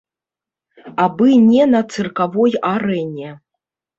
Абы не на цыркавой арэне.